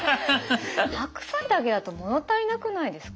白菜だけだと物足りなくないですか。